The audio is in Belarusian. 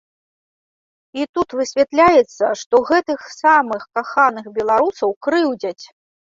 І тут высвятляецца, што гэтых самых каханых беларусаў крыўдзяць.